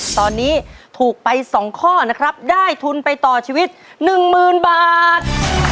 ตอนนี้ถูกไปสองข้อนะครับได้ทุนไปต่อชีวิตหนึ่งหมื่นบาท